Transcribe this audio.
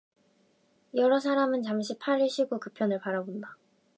여러 사람은 잠시 팔을 쉬고 그편을 바라본다.